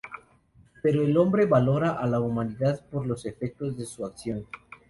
Pero el hombre valora a la humanidad por los efectos de su acción.